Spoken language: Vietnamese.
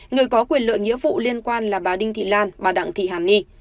người có quyền lợi nghĩa vụ liên quan là bà đinh thị lan bà đặng thị hàn ni